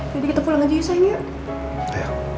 jadi kita pulang aja ya sayang yuk